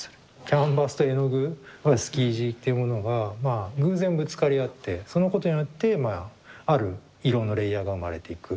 キャンバスと絵の具スキージっていうものが偶然ぶつかり合ってそのことによってある色のレイヤーが生まれていく。